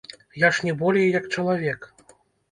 Я ж не болей як чалавек.